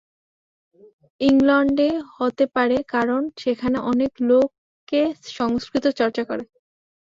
ইংলণ্ডে হতে পারে, কারণ সেখানে অনেক লোকে সংস্কৃত চর্চা করে।